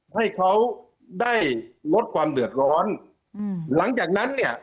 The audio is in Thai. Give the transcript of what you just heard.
ให้เขาได้ลดความเดือดร้อนอืมหลังจากนั้นเนี่ย